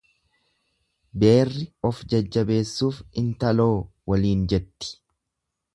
Beerri of jajjabeessuuf intaloo waliin jetti.